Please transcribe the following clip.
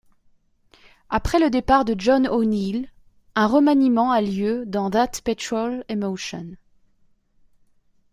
Après le départ de John O'Neill, un remaniement a lieu dans That Petrol Emotion.